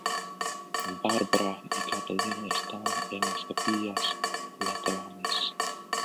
Bárbara y Catalina están en las capillas laterales.